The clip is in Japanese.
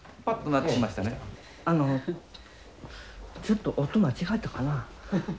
あのちょっと音間違えたかな？